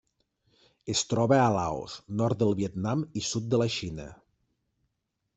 Es troba a Laos, nord del Vietnam i sud de la Xina.